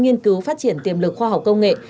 nghiên cứu phát triển tiềm lực khoa học công nghệ